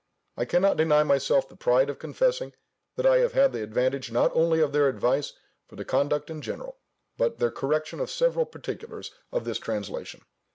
I cannot deny myself the pride of confessing, that I have had the advantage not only of their advice for the conduct in general, but their correction of several particulars of this translation.